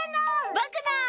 ぼくの！